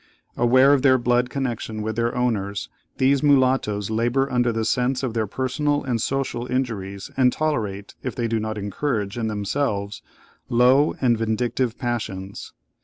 Aware of their blood connection with their owners, these mulattoes labour under the sense of their personal and social injuries; and tolerate, if they do not encourage in themselves, low and vindictive passions.